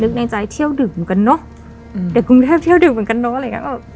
นึกในใจเที่ยวดื่มกันเนอะเดินกรุงแทบเที่ยวดื่มเหมือนกันเนอะอะไรอย่างนี้